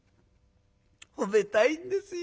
褒めたいんですよ。